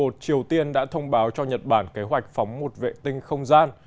ngày hai mươi một mươi một triều tiên đã thông báo cho nhật bản kế hoạch phòng thủ của việt nam